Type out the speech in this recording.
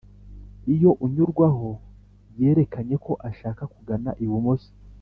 iyo unyurwaho yerekanye ko ashaka kugana ibumoso